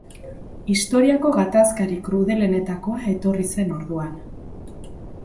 Historiako gatazkarik krudelenetakoa etorri zen orduan.